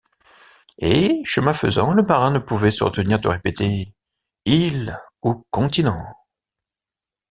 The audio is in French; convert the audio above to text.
Et, chemin faisant, le marin ne pouvait se retenir de répéter: « Île ou continent!